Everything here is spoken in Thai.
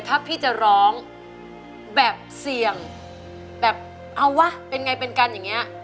ถ้าพี่จะร้องแบบเสี่ยงแบบเอาวะเป็นไงเป็นกันอย่างนี้